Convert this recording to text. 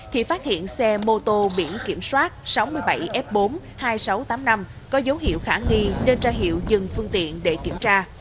thì phát hiện xe mô tô biển kiểm soát sáu mươi bảy f bốn hai nghìn sáu trăm tám mươi năm có dấu hiệu khả nghi nên tra hiệu dừng phương tiện để kiểm tra